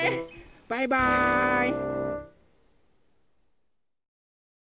バイバーイ！